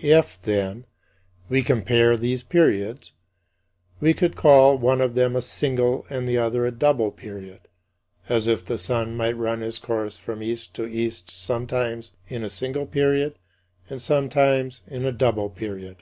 If, then, we compare these periods, we could call one of them a single and the other a double period, as if the sun might run his course from east to east sometimes in a single period and sometimes in a double period.